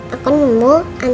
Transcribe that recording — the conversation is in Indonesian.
tidak ada yang bisa dikumpulkan